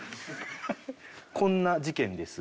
こんな事件です。